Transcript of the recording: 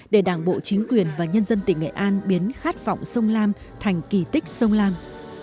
để đảng bộ chính quyền và nhân dân tỉnh nghệ an biến khát vọng sông lam thành kỳ tích sông lam